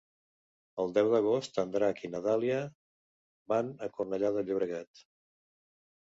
El deu d'agost en Drac i na Dàlia van a Cornellà de Llobregat.